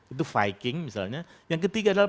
itu viking misalnya yang ketiga adalah